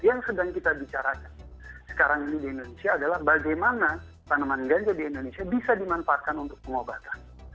yang sedang kita bicarakan sekarang ini di indonesia adalah bagaimana tanaman ganja di indonesia bisa dimanfaatkan untuk pengobatan